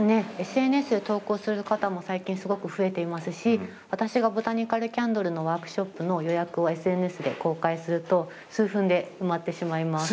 ＳＮＳで投稿する方も最近すごく増えていますし私がボタニカルキャンドルのワークショップの予約をＳＮＳで公開すると数分で埋まってしまいます。